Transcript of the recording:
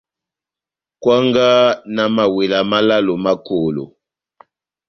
Kwangaha na mawela málálo má kolo.